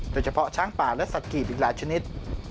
โดยเฉพาะช้างป่าและสัตว์กีบอีกหลายชนิด